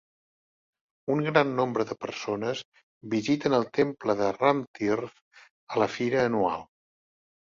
Un gran nombre de persones visiten el temple de Ramtirth a la fira anual.